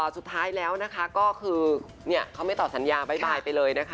สุดท้ายแล้วนะคะก็คือเขาไม่ตอบสัญญาบ๊ายบายไปเลยนะคะ